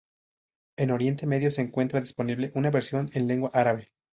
En Oriente Medio se encuentra disponible una versión en lengua árabe.